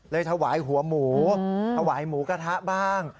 ถวายหัวหมูถวายหมูกระทะบ้าง